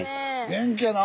元気やな。